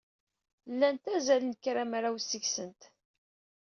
Llant azal n kramraw seg-sent.